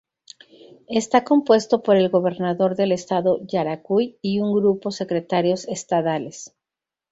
Está compuesto por el Gobernador del Estado Yaracuy y un grupo Secretarios Estadales.